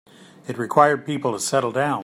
It required people to settle down.